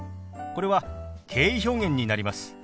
これは敬意表現になります。